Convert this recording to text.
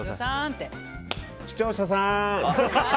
視聴者さーん！